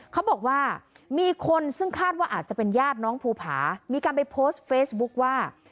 เขาบอกว่ามีคนซึ่งคาดว่าอาจจะเป็นญาติน้องภูผามีการไปโพสต์เฟซบุ๊คว่า